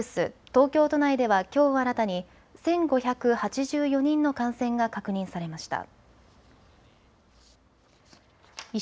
東京都内ではきょう新たに１５８４人の感染が確認されました。